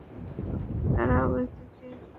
দাঁড়াও, কোনদিকে ঘোরাতে হবে, ডানে না বামে?